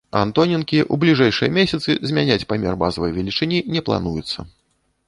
Антоненкі, у бліжэйшыя месяцы змяняць памер базавай велічыні не плануецца.